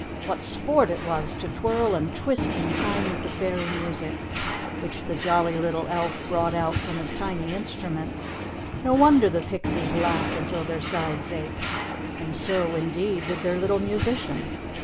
What sport it was to twirl and twist in time with the fairy music, which the jolly little elf brought out from his tiny instrument. No wonder the pixies laughed until their sides ached. And so, indeed, did their little musician.